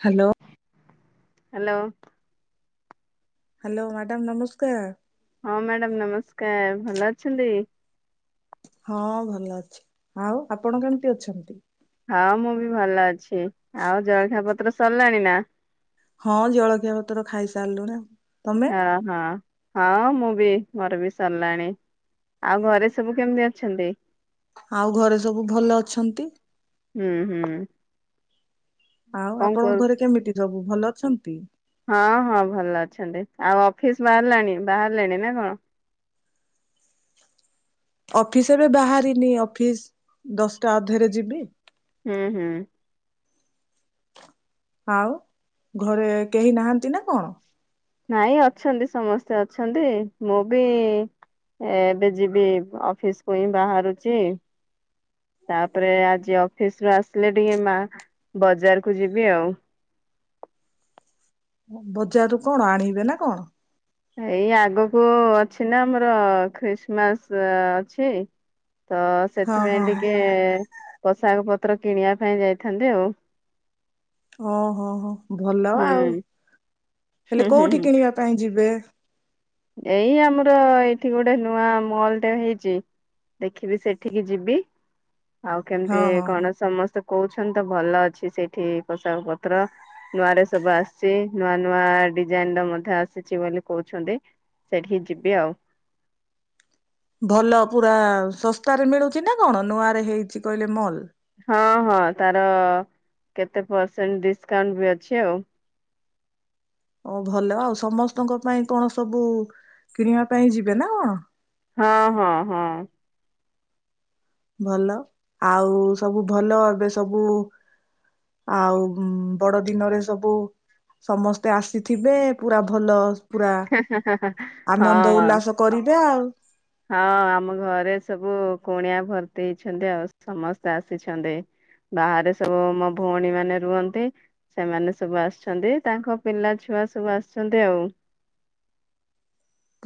Hello. Hello. Hello madam ନମସ୍କାର। ହଁ madam ନମସ୍କାର। ଭଲ ଅଛନ୍ତି? ହଁ ଭଲ ଅଛି। ଆଉ ଆପଣ କେମିତି ଅଛନ୍ତି? ହଁ ମୁଁ ବି ଭଲ ଅଛି। ଆଉ ଜଳଖିଆ ପତ୍ର ସରିଲାଣି ନା? ହଁ ଜଳଖିଆ ପତ୍ର ଖାଇସାରିଲୁଣି। ତମେ? ଓ ହଁ ହଁ ମୁଁ ବି ମୋର ବି ସରିଲାଣି। ଆଉ ଘରେ ସବୁ କେମିତି ଅଛନ୍ତି? ଆଉ ଘରେ ସବୁ ଭଲ ଅଛନ୍ତି। ହୁଁ, ହୁଁ। ଆଉ କଣ ଆପଣଙ୍କ କରୁ ଘରେ କେମିଟି ସବୁ ଭଲ ଅଛନ୍ତି? ହଁ ହଁ ଭଲ ଅଛନ୍ତି। ଆଉ ଅଫିସ୍ ବାହାରିଲାଣି ବାହାରିଲେଣି ନା କଣ? ଅଫିସ ଏବେ ବାହାରିନି ଅଫିସ ଦଶଟା ଅଧରେ ଯିବି। ହୁଁ, ହୁଁ। ଆଉ ଘରେ କେହି ନାହାନ୍ତି ନା କଣ? ନାଇଁ ଅଛନ୍ତି ସମସ୍ତେ ଅଛନ୍ତି ମୁଁ ବି ଏଁ ଏବେ ଯିବି ଅଫିସକୁ ହିଁ ବାହାରୁଚି। ତାପରେ ଆଜି ଅଫିସ ରୁ ଆସିଲେ ଟିକେ ମା ବଜାରକୁୁ ଯିବି ଆଉ। ବଜାରୁ କଣ ଆଣିବେ ନାଁ କଣ? ଏଇ ଆଗକୁ ଅଛି ନା ଆମର ଖ୍ରୀଷ୍ଟମାସ ଅଛି। ତ ହଁ ସେଥିପାଇଁ ହଁ ହଁ। ଟିକେ ପୋଷାକ ପତ୍ର କିଣିବା ପାଇଁ ଯାଇଥାନ୍ତି ଆଉ। ଓ ହୋ ହୋ ଭଲ ହୁଁ ଆଉ ହୁଁ ହେଲେ ହୁଁ କୋଉଠି ହୁଁ କିଣିବା ପାଇଁ ଯିବେ? ଏଇ ଆମର ଏଇଠି ଗୋଟେ ନୂଆ ମଲ୍ ଟେ ହେଇଚି। ଦେଖିବି ସେଠିକି ଯିବି। ଆଉ ହଁ କେମିତି ହଁ ହଁ। କଣ ସମସ୍ତେ କହୁଛଛନ୍ତି ତ ଭଲ ଅଛି ସେଇଠି ପୋଷାକ ପତ୍ର। ନୂଆରେ ସବୁ ଆସିଛି, ନୂଆ ନୂଆ ଡିଜାଇନ ର ମଧ୍ୟ ଆସିଛି ବୋଲି କହୁଛନ୍ତି। ସେଠିକି ଯିବି ଆଉ। ଭଲ ପୁରା ଶସ୍ତାରେ ମିଳୁଛି ନା କଣ ନୂଆରେ ହେଇଛି କହିଲେ ମଲ୍। ହଁ ହଁ ତାର କେତେ ପରସେଣ୍ଟ ଡିସ୍କାଉଣ୍ଟ ବି ଅଛି ଆଉ। ଓ ଭଲ ଆଉ, ସମସ୍ତଙ୍କ ପାଇଁ କଣ ସବୁ କିଣିବା ପାଇଁ ଯିବେ ନା କଣ? ହଁ ହଁ ହଁ। ଭଲ, ଆଉ ସବୁ ଭଲ ଏବେ ସବୁ ଆଉ ବଡ ଦିନରେ ସବୁ ସମସ୍ତେ ଆସିଥିବେ ପୁରା ଭଲ ପୁରା ଆନନ୍ଦ ହଁ। ଉଲ୍ଲାସ କରିଦେ ଆଉ। ହଁ ଆମ ଘରେ ସବୁ କୁଣିଆ ଭର୍ତ୍ତି ହେଇଛନ୍ତି। ଆଉ ସମସ୍ତେ ଆସିଛନ୍ତି। ବାହାରେ ସବୁ ମୋ ଭଉଣୀ ମାନେ ରୁହନ୍ତି। ସେମାନେ ସବୁ ଆସିଛନ୍ତି, ତାଙ୍କ ପିଲା ଛୁଆ ସବୁ ଆସିଛନ୍ତି ଆଉ।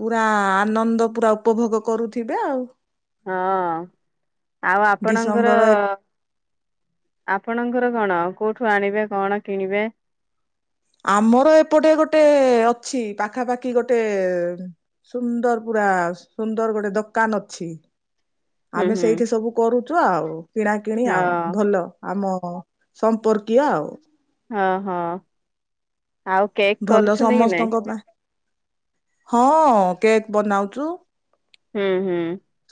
ପୁରା ଆନନ୍ଦ ପୁରା ଉପଭୋଗ କରୁଥିବେ ଆଉ। ହଁ, ଆଉ ଆପଣଙ୍କର ଡିସେମ୍ବର ଏକ ଆପଣଙ୍କର କଣ କୋଉଠୁ ଆଣିବେ କଣ କିଣିବେ? ଆମର ଏପଟେ ଗୋଟେ ଅଛି, ପାଖାପାଖି ଗୋଟେ ସୁନ୍ଦର ପୁରା ସୁନ୍ଦର ଗୋଟେ ଦୋକାନ ଅଛି। ହୁଁ ଆମେ ହୁଁ ସେଇଠି ସବୁ କରୁଚୁ ଆଉ କିଣା କିିଣି ହଁ ଆଉ। ଭଲ ଆମ ସମ୍ପର୍କୀୟ ଆଉ। ଅଁ ହଁ, ଆଉ? କେକ୍ ଭଲ କରୁଛନ୍ତି କି ନାଇଁ? ସମସ୍ତଙ୍କ ପାଇଁ, ହଁ କେକ୍ ବନାଉଚୁ। ଉଁ ହୁଁ।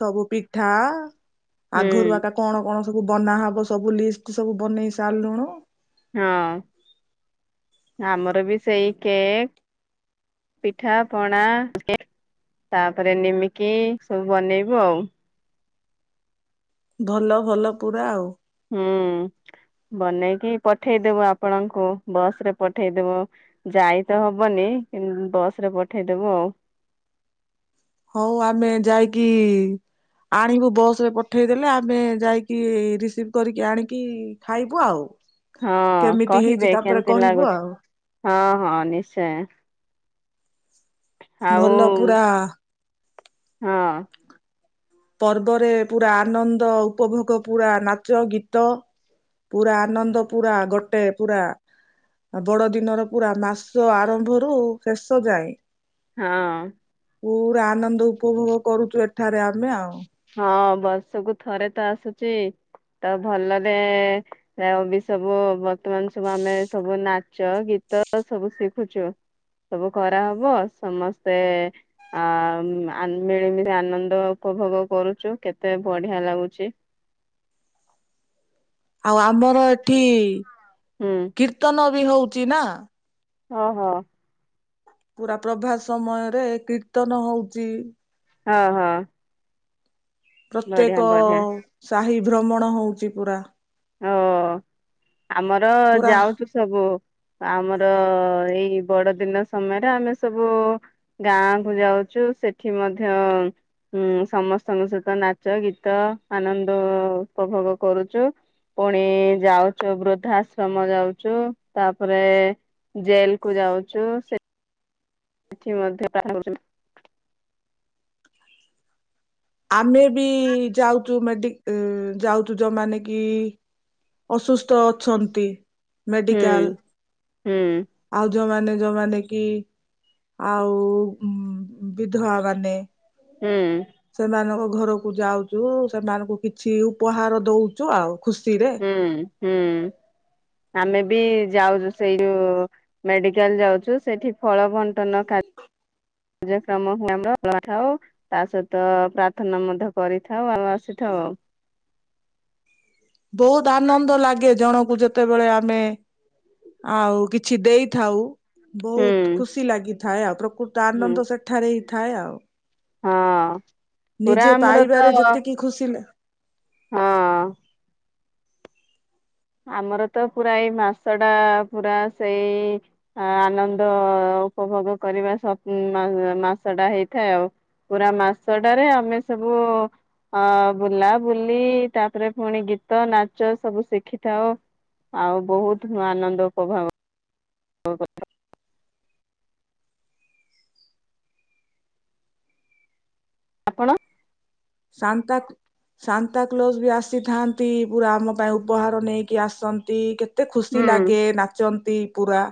ସବୁ ପିଠା ଆଗରୁ ହୁଁ ଏକା କଣ କଣ ସବୁ ବନାହବ ସବୁ ଲିଷ୍ଟ ସବୁ ବନେଇ ସାରିଲୁଣୁ। ହଁ, ଆମର ବି ସେଇ କେକ୍ ପିଠା, ପଣା କେ ତାପରେ ନିମିକି ସବୁ ବନେଇବୁ ଆଉ। ଭଲ ଭଲ ପୁରା ଆଉ। ହୁଁ, ବନେଇକି ପଠେଇଦବୁ ଆପଣଙ୍କୁ ବସ ରେ ପଠେଇଦବୁ। ଯାଇ ତ ହବନି କିନ୍ତୁ ବସ ରେ ପଠେଇଦବୁ ଆଉ। ହଉ ଆମେ ଯାଇକି ଆଣିବୁ ବସ ରେ ପଠେଇଦେଲେ। ଆମେ ଯାଇକି ରିସିଭ୍ କରିକି ଆଣିକି ଖାଇବୁ ଆଉ। ହଁ, କେମିତି ହେଇଛି କହିବେ ତାପରେ କେମତି କହିବୁ ଲାଗୁଛି। ଆଉ ହଁ ହଁ ନିଶ୍ଚୟ। ଭଲ ଆଉ, ପୁରା ହଁ। ପର୍ବରେ ପୁରା ଆନନ୍ଦ ଉପଭୋଗ ପୁରା ନାଚ, ଗୀତ ପୁରା ଆନନ୍ଦ ପୁରା ଗୋଟେ ପୁରା ଆ ବଡ ଦିନର ପୁରା ମାସ ଆରମ୍ଭରୁ ଶେଷ ଯାଏ ହଁ। ପୁରା ଆନନ୍ଦ ଉପଭୋଗ କରୁଚୁ ଏଠାରେ ଆମେ ଆଉ। ହଁ, ବର୍ଷକୁ ଥରେ ତ ଆସୁଚି ତ ଭଲରେ ଆ ଏବି ସବୁ ବର୍ତ୍ତମାନ ସବୁ ଆମେ ସବୁ ନାଚ ଗୀତ ସବୁ ଶିଖୁଚୁ। ସବୁ କରାହବ। ସମସ୍ତେ ଆ ଆ ମିଳିମିଶି ଆନନ୍ଦ ଉପଭୋଗ କରୁଚୁ। କେତେ ବଢିଆ ଲାଗୁଚି। ଆଉ ଆମର ଏଠି ହୁଁ। କୀର୍ତ୍ତନ ବି ହଉଛି ନା। ଓହୋ। ପୁରା ପ୍ରଭାତ ସମୟରେ କୀର୍ତ୍ତନ ହଉଛି। ହଁ ହଁ। ବଢିଆ ପ୍ରତ୍ୟେକ ବଢିଆ ସାହି ଭ୍ରମଣ ହଉଛି ପୁରା। ଓ ଆମର ପୁରା ଯାଉଛୁ ସବୁ ଆମର ଏଇ ବଡଦିନ ସମୟରେ ଆମେ ସବୁ ଗାଁ କୁ ଯାଉଛୁ ସେଠି ମଧ୍ୟ ଉଁ ସମସ୍ତଙ୍କ ସହିତ ନାଚ ଗୀତ ଆନନ୍ଦ ଉପଭୋଗ କରୁଛୁ। ପୁଣି ଯାଉଛୁ ବୃଦ୍ଧାଶ୍ରମ ଯାଉଛୁ। ତାପରେ ଜେଲ କୁ ଯାଉଛୁ। ସେଠି ମଧ୍ୟ [unintelligible] ଆମେ ବି ଯାଉଛୁ ମେଡିକ୍ ଏ ଯାଉଛୁ ଯଉମାନେ କି ଅସୁସ୍ଥ ଅଛନ୍ତି। ମେଡିକାଲ ହୁଁ ହୁଁ। ଆଉ ଯୋଉମାନେ ଯୋଉମାନେ କି ଆଉ ବିଧବା ମାନେ ହୁଁ ସେମାନଙ୍କ ଘରକୁ ଯାଉଛୁ। ସେମାନଙ୍କୁ କିଛି ଉପହାର ଦଉଛୁ ଆଉ ଖୁସି ରେ। ହୁଁ ହୁଁ। ଆମେ ବି ଯାଉଛୁ ସେଇ ଯୋଉ ମେଡିକାଲ ଯାଉଛୁ। ସେଠି ଫଳ ବଣ୍ଟନ କା [unintelligible] ଥାଉ ତା ସହିତ ପ୍ରାର୍ଥନା ମଧ୍ୟ କରିଥାଉ ଆଉ। ସେଠ। ବହୁତ ଆନନ୍ଦ ଲାଗେ ଜଣକୁ ଯେତେବେଳେ ଆମେ ଆଉ କିଛି ଦେଇଥାଉ। ବହୁତ ହୁଁ ଖୁସି ଲାଗିଥାଏ ଆଉ ପ୍ରକୃତ ହୁଁ। ଆନନ୍ଦ ସେଠାରେ ହିଁ ଥାଏ ଆଉ। ହଁ ପୁରା ନିଜେ ଆମର ତ ପାଇବାରେ ଯେତିକି ଖୁସିିଲ ହଁ। ଆମର ତ ପୁରା ଏଇ ମାସ ଟା ପୁରା ସେଇ ଆନନ୍ଦ ଉପଭୋଗ କରିବା ସ ମାସ ଟା ହେଇଥାଏ ଆଉ। ପୁରା ମାସଟାରେ ଆମେ ସବୁ ଅ ବୁଲା ବୁଲି ତାପରେ ପୁଣି ଗୀତ ନାଚ ସବୁ ଶିଖି ଥାଉ ଆଉ ବହୁତ ଆନନ୍ଦ ପ୍ରଭାବ ହ କଥା ଆପଣ? ଶାନ୍ତାକ ସାନ୍ତାକଲୋଜ ବି ଆସିଥାନ୍ତି ପୁରା ଆମ ପାଇଁ ଉପହାର ନେଇକି ଆସନ୍ତି କେ ଏତେ ଖୁସି ହୁଁ ଲାଗେ ନାଚନ୍ତି ପୁରା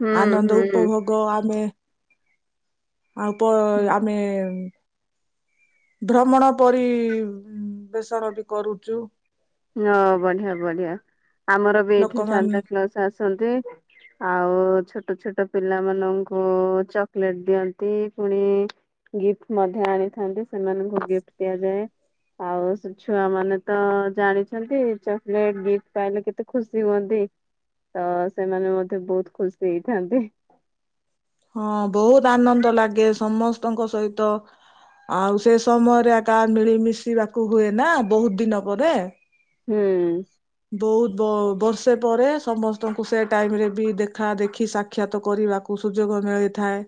ହୁଁ ଆନନ୍ଦ ହୁଁ। ଉପଭୋଗ ଆମେ ଆଉପ ହୁଁ ଆମେ ଭ୍ରମଣ ପରି ବେଷଣ ବି କରୁଛୁ ହଁ ବଢିଆ ବଢିଆ ଆମର ବି ଏଇଠି ଲୋକମାନେ ସାନ୍ତାକ୍ଲଜ ଆସନ୍ତି। ଆଉ ଛୋଟ ଛୋଟ ପିଲାମାନଙ୍କୁ ଚକୋଲେଟ ଦିଅନ୍ତି ପୁଣି ଗିଫ୍ଟ ମଧ୍ୟ ଆଣିଥାନ୍ତି ସେମାନଙ୍କୁ ଗିଫ୍ଟ ଦିଆଯାଏ ଆଉ ସେ ଛୁଆ ମାନେ ତ ଜାଣି ଚକଲେଟ ଗିଫ୍ଟ ପାଇଲେ କେତେ ଖୁସି ହୁଅନ୍ତି ତ ସେମାନେ ମଧ୍ୟ ବହୁତ ଖୁସି ହେଇଥାନ୍ତି ହଁ ବହୁତ ଆନନ୍ଦ ଲାଗେ ସମସ୍ତଙ୍କ ସହିତ ଆଉ ସେ ସମୟରେ ଆ କା ମିଳିମିଶିବାକୁ ହୁଏ ନା ବହୁତ ଦିନ ପରେ ହୁଁ ବହୁତ ବ ବର୍ଷେ ପରେ, ସମସ୍ତଙ୍କୁ ସେ ଟାଇମରେ ବି ଦେଖା ଦେଖି ସାକ୍ଷାତ କରିବାକୁ କୁ ସୁଯୋଗ ମିଳିଥାଏ।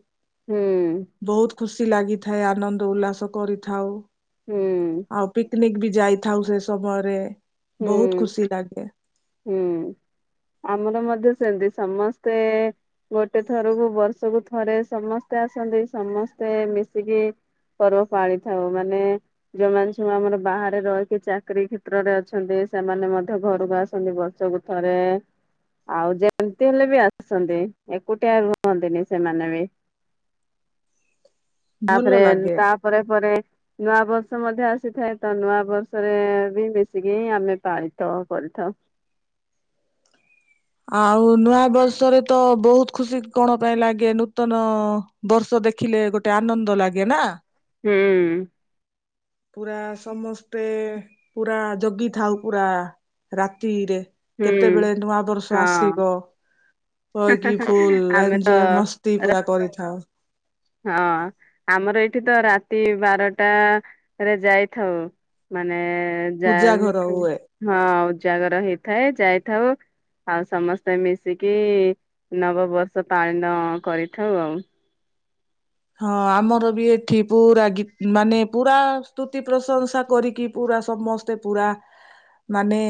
ହୁଁ ବହୁତ ଖୁସି ଲାଗିଥାଏ। ଆନନ୍ଦ ଉଲ୍ଲାସ କରିଥାଉ। ହୁଁ ଆଉ ପିକନିକ ବି ଯାଇଥାଉ। ସେ ସମୟରେ ବହୁତ ହୁଁ ଖୁସି ଲାଗେ। ହୁଁ, ଆମର ମଧ୍ୟ ସେମିତି ସମସ୍ତେ ଗୋଟେ ଥରକୁ ବର୍ଷକୁ ଥରେ ସମସ୍ତେ ଆସନ୍ତି। ସମସ୍ତେ ମିଶିକି ପର୍ବ ପାଳିଥାଉ। ମାନେ ଯୋଉମାନେ ସବୁ ଆମର ବାହାରେ ରହିକି ଚାକିରୀ କ୍ଷେତ୍ରରେ ଅ ଅଛନ୍ତି। ସେମାନେ ମଧ୍ୟ ଘରକୁ ଆସନ୍ତି ବର୍ଷକୁ ଥରେ। ଆଉ ଯେମିତି ହେଲେ ବି ଆସୁଛନ୍ତି। ଏକୁଟିଆ ରୁହନ୍ତିନି ସେମାନେ ବି। [unintelligible] ଭଲ ତାପରେ ଲାଗେ ତାପ ପରେ, ପରେ ନୂଆ ବର୍ଷ ମଧ୍ୟ ଆସିଥାଏ। ତ ନୂଆ ବର୍ଷରେ ବି ମିସିକି ହିଁ, ଆମେ ପାଳିଥାଉ କରିଥାଉ। ଆଉ ନୂଆ ବର୍ଷରେ ତ ବହୁତ ଖୁସି କଣ ପାଇଁ ଲାଗେ? ନୂତନ ବର୍ଷ ଦେଖିଲେ ଗୋଟେ ଆନନ୍ଦ ଲାଗେ ନା! ହୁଁ ପୁରା ସମସ୍ତେ, ପୁରା ଜଗିଥାଉ ପୁରା ରାତିରେ। ହୁଁ କେତେବେଳେ ନୂଆ ବର୍ଷ ହଁ ଆସିବ! କହିକି ଫୁଲ ଆମେ ଏଞୟ ମସ୍ତି ତ ପୁରା କରିଥାଉ। ହଁ ଆମର ଏଇଠି ତ ରାତି ବାରଟରେ ଯାଇଥାଉ। ମାନେ ଯା ପୂଜା ଘର ହଁ ହୁଏ। ଉଜାଗର ହେଇଥାଏ। ଯାଇଥାଉ। ଆଉ ସମସ୍ତେ ମିଶିକି, ନବବର୍ଷ ପାଳନ କରିଥାଉ ଆଉ। ହଁ ଆମର ବି ଏଠି, ପୁରା ଗୀତ ମାନେ ପୁରା ସ୍ତୁତି ପ୍ରଶଂସା କରିକି ପୁରା ସମସ୍ତ ମତେ ପୁରା, ମାନେ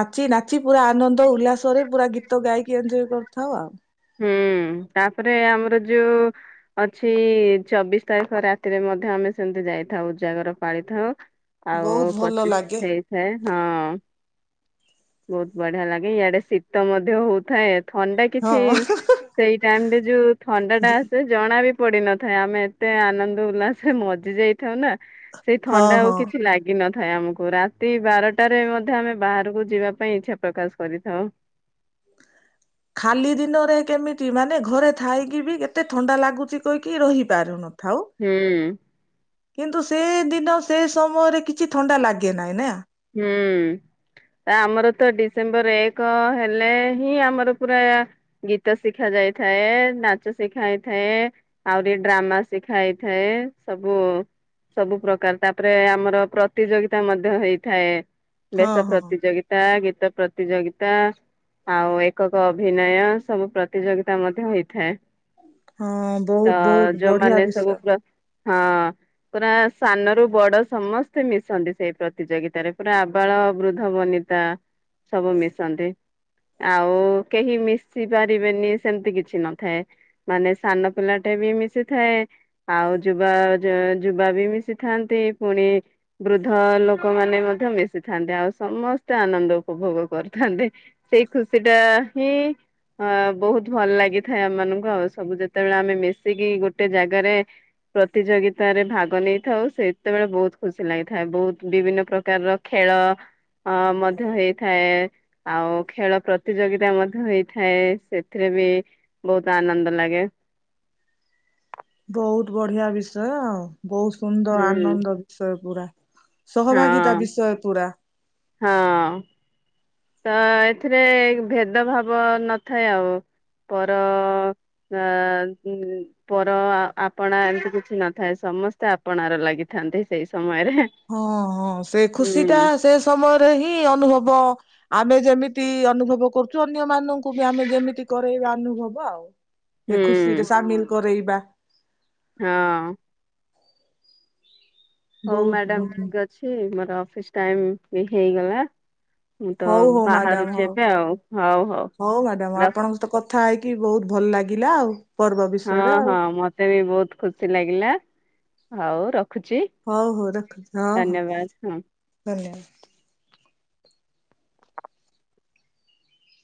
ନାଚି, ନାଚି ପୁରା ଆନନ୍ଦ ଉଲ୍ଲାସରେ ପୁରା ଗୀତ ଗାଇକି। ଏଞ୍ଜୟ କରିଥାଉ ଆଉ। ହୁଁ, ତାପରେ ଆମର ଯୋଉ ଅଛି, ଚବିଶ ତାରିଖ ରାତିରେ ମଧ୍ୟ ଆମେ ସେମିତି ଯାଇଥାଉ। ଉଜାଗର ପାଳିଥାଉ। ଆଉ ବହୁତ ଭଲ ଲାଗେ ପଚିଶ ହେଇଥାଏ। ହଁ ବହୁତ ବଢିଆ ଲାଗେ। ଇଆଡେ ଶୀତ ମଧ୍ୟ ହଉଥାଏ। ଥଣ୍ଡାକି ହଁ କିଛି, ସେଇ ଟାଇମରେ ଯୋଉ ଥଣ୍ଡା ଟା ଆସେ ଜଣା ବି ପଡିିନଥାଏ। ଆମେ ଏତେ ଆନନ୍ଦ ଉଲ୍ଲାସରେ ମଜି ଯାଇ ଥାଉ ନା, ସେଇ ହଁ ଥଣ୍ଡା ଆଉ ହଁ। କିଛି ଲାଗେ ଦିନଥାଏ ଆମକୁ, ରାତି ବାରଟାରେ ମଧ୍ୟ ଆମେ ବାହାରକୁ ଯିବା ପାଇଁ ଇଚ୍ଛା ପ୍ରକାଶ କରିଥାଉ। ଖାଲି ଦିନରେ କେମିତି ମାନେ ଘରେ ଥାଇକି ବି କେତେ ଥଣ୍ଡା ଲାଗୁଛି କହିକି ରହିପାରୁନଥାଉ। ହୁଁ କିନ୍ତୁ ସେ ଦିନ, ସେ ସମୟରେ କିଛି ଥଣ୍ଡା ଲାଗେ ନାହିଁ ନା। ହୁଁ ତା ଆମର ତ ଡିସେମ୍ବର ଏକ ହେଲେ ହିଁ ଆମର ପୁରା ଗୀତ ଶିଖା ଯାଇଥାଏ, ନାଚ ଶିଖା ହେଇଥାଏ। ଆହୁରି ଡ୍ରାମା ଶିଖା ହେଇଥାଏ। ସବୁ ସବୁ ପ୍ରକାର, ତାପରେ ଆମର ପ୍ରତିଯୋଗିତା ମଧ୍ୟ ହେଇଥାଏ, ହଁ ବେଶ ହଁ। ପ୍ରତିଯୋଗିତା ଗୀତା, ଗୀତ ପ୍ରତିଯୋଗିତା ଆଉ ଏକକ ଅଭିନୟ ସବୁ ପ୍ରତିଯୋଗିତା ମଧ୍ୟ ହେଇଥାଏ। ହଁ ତ ବହୁତ ବହୁତ ବଢିଆ ଯୋଉମାନେ ବିଷୟ ସବୁ ପ୍ର ହଁ ପୁରା ସାନରୁ ବଡ଼ ସମସ୍ତେ ମିଶନ୍ତି ସେଇ ପ୍ରତିଯୋଗି ତାରେ ପୁରା ଆବାଳ ବୃଦ୍ଧ ବନିତା ସବୁ ମିଶନ୍ତି। ଆଉ କେହି ମିଶି ପାରିବେନି ସେମିତି କିଛି ନଥାଏ। ମାନେ ସାନ ପିଲାଟେ ବି ମିଶିଥାଏ ଆଉ ଯୁବା ଯୁ ଯୁବା ବି ମିଶିଥାନ୍ତି ପୁଣି ବୃଦ୍ଧ ଲୋକମାନେ ମଧ୍ୟ ମିଶିଥାନ୍ତି ଆଉ ସମସ୍ତେ ଆନନ୍ଦ ଉପଭୋଗ କରିଥାନ୍ତେ। ସେଇ ଖୁସିଟା ହିଁ ଅଁ ବୋହୁତ ଭଲ ଲାଗିଥାଏ ଆମମାନୁଙ୍କୁ ଆଉ ସବୁ ଯେତେଳେ ଆମେ ମିଶିକି ଗୋଟେ ଜାଗାରେ ପ୍ରତିଯୋଗତାରେ ଭାଗ ନେଇଥାଉ ସେତେବେଳେ ବହୁତ ଖୁସି ଲାଗିଥାଏ ବହୁତ ବିଭିନ୍ନ ପ୍ର କାର ଖେଳ ଅ ମଧ୍ୟ ହେଇଥାଏ। ଆଉ ଖେଳ ପ୍ରତିଯୋଗିତା ମଧ୍ୟ ହେଇଥାଏ ସେଥିରେ ବି ବହୁତ ଆନନ୍ଦ ଲାଗେ। ବହୁତ ବଢ଼ିଆ ବିଷୟ ବୋହୁତ ସୁନ୍ଦର ହୁଁ ଆନନ୍ଦ ବିଷୟ ପୁରା। ସହଭାଗିତା ହଁ ବିଷୟ ପୁରା। ହଁ। ତ ଏଥିରେ ଭେଦଭାବ ନଥାଏ ଆଉ ପର ହ ଉଁ ପର ଆପଣା ଏମିତି କିଛି ନଥାଏ ସମସ୍ତେ ଆପଣାର ଲାଗିଥାନ୍ତି ସେଇ ସମୟରେ। ହଁ ହଁ ସେ ଖୁସିଟା ହୁଁ ସେ ସମୟରେ ହିଁ ଅନୁଭବ ଆମେ ଯେମିତି ଅନୁଭବ କରୁୁ ଚୁ ଅନ୍ୟମାନଙ୍କୁ ବି ଆମେ ଯେମିତି କରରେଇବା ଅନୁଭବ ଆଉ। ହୁଁ ଏ ଖୁସିରେ ସାମିଲ କରେଇବା। ହଁ। ହଉ ବହୁତ ମାଡାମ ଠିକ୍ ଅଛି ମୋର ଅଫିସ ଟାଇମ୍ ଏ ହେଇଗଲା। ମୁଁ ତ ହଉ ହଉ ମ୍ୟାଡାମ ବାହାରୁଚି ହଉ ଏବେ ହଉ ଆଉ ହଉ ହଉ ର ତ କଥା ହେଇକି ବହୁତ ଭଲ ଲାଗିଲା ଆଉ। ପର୍ବ ହଁ ବିଷୟରେ ହଁ ଆଉ ମତେ ବି ବହୁତ ଖୁସି ଲାଗିଲା ଆଉ ରଖୁଚି। ହଉ ହଉ ରଖୁ ହଁ ହଁ ଧନ୍ୟବା